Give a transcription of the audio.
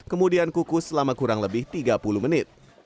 kemudian kukus selama kurang lebih tiga puluh menit